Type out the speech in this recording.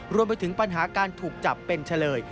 รวมไปถึงปัญหาการถูกจับเป็นเฉลย